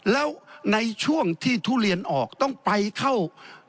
แล้วในช่วงที่ทุเรียนออกต้องไปเข้า